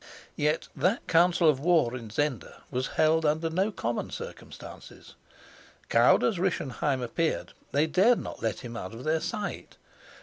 Yet that council of war in Zenda was held under no common circumstances. Cowed as Rischenheim appeared, they dared not let him out of their sight.